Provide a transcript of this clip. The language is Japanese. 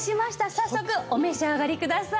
早速お召し上がりください。